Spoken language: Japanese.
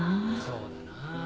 そうだな。